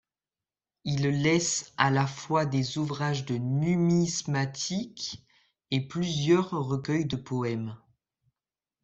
Il laisse à la fois des ouvrages de numismatique et plusieurs recueils de poèmes.